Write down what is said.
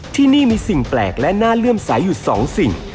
ที่นี่มีสิ่งแปลกและน่าเลื่อมใสอยู่สองสิ่ง